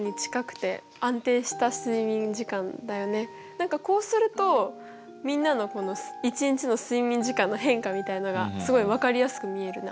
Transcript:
何かこうするとみんなの１日の睡眠時間の変化みたいのがすごい分かりやすく見えるね。